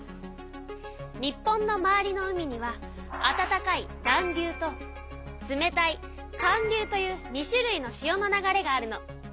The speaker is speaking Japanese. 日本の周りの海にはあたたかい暖流と冷たい寒流という２種類の潮の流れがあるの。